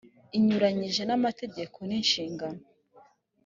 inyuranyije n amategeko n inshingano